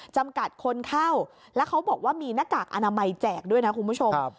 จำกัดคนเข้าแล้วเขาบอกว่ามีหน้ากากอนามัยแจกด้วยนะคุณผู้ชม